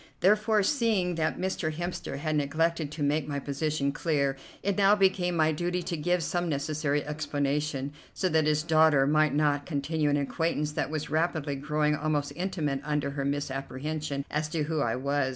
Therefore, seeing that Mr. Hemster had neglected to make my position clear, it now became my duty to give some necessary explanation, so that his daughter might not continue an acquaintance that was rapidly growing almost intimate under her misapprehension as to who I was.